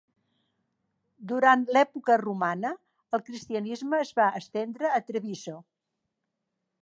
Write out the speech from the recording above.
Durant l'època romana, el cristianisme es va estendre a Treviso.